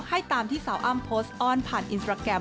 ให้ตามที่สาวอ้ำโพสต์อ้อนผ่านอินสตราแกรม